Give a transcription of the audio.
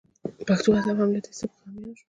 پښتو ادب هم له دې سبک څخه اغیزمن شو